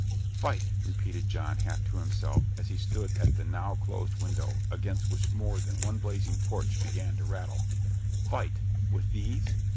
"Fight!" repeated John, half to himself, as he stood at the now closed window, against which more than one blazing torch began to rattle. "Fight with these?